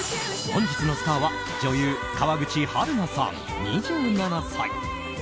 本日のスターは女優・川口春奈さん、２７歳。